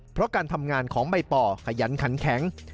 เพราะการทำงานของใบป่อขยันขันแข็ง